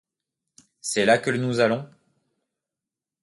C'est là que nous allons?